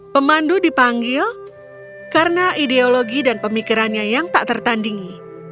pemandu dipanggil karena ideologi dan pemikirannya yang tak tertandingi